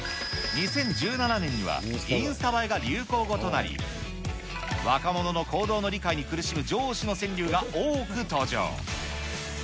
２０１７年にはインスタ映えが流行語となり、若者の行動の理解に苦しむ上司の川柳が多く登場。